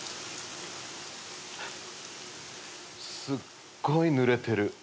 すっごいぬれてる。